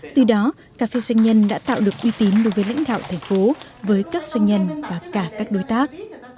từ đó cà phê doanh nhân đã tạo được uy tín đối với lãnh đạo thành phố với các doanh nhân và cả các đối tác